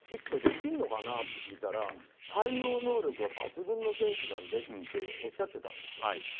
メジャーにフィットできるのかなって聞いたら対応能力は抜群の選手なんでっておっしゃってたんです。